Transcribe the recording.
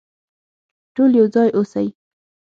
ټول يو ځای اوسئ.